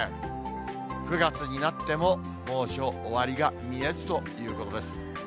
９月になっても、猛暑、終わりが見えずということです。